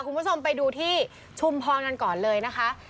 คุณผู้ชมไปดูที่ชุมพรกันก่อนเลยนะคะ